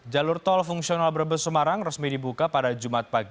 jalur tol fungsional brebes semarang resmi dibuka pada jumat pagi